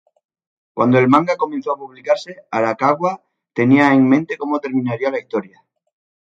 Cuando el manga comenzó a publicarse, Arakawa tenía en mente cómo terminaría la historia.